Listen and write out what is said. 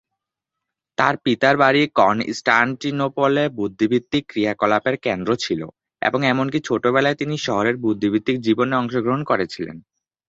তার পিতার বাড়ি কনস্টান্টিনোপলে বুদ্ধিবৃত্তিক ক্রিয়াকলাপের কেন্দ্র ছিল এবং এমনকি ছোটবেলায় তিনি শহরের বুদ্ধিবৃত্তিক জীবনে অংশগ্রহণ করেছিল।